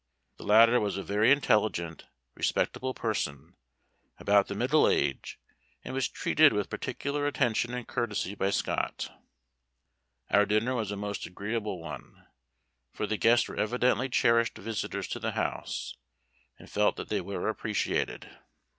The latter was a very intelligent, respectable person, about the middle age, and was treated with particular attention and courtesy by Scott. Our dinner was a most agreeable one; for the guests were evidently cherished visitors to the house, and felt that they were appreciated.